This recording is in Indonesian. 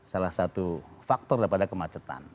salah satu faktor daripada kemacetan